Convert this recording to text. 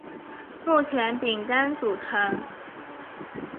目前饼干组成。